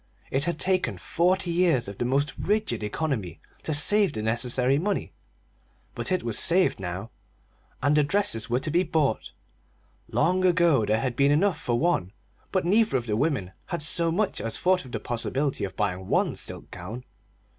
It had taken forty years of the most rigid economy to save the necessary money; but it was saved now, and the dresses were to be bought. Long ago there had been enough for one, but neither of the women had so much as thought of the possibility of buying one silk gown.